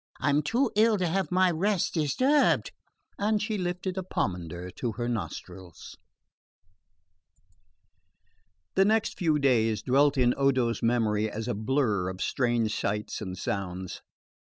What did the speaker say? I'm too ill to have my rest disturbed." And she lifted a pomander to her nostrils. The next few days dwelt in Odo's memory as a blur of strange sights and sounds.